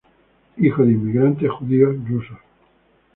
Hijo de inmigrantes judíos rusos.